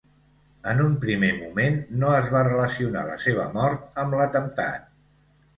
En un primer moment, no es va relacionar la seva mort amb l’atemptat.